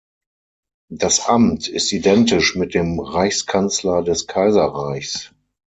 Das Amt ist identisch mit dem Reichskanzler des Kaiserreichs.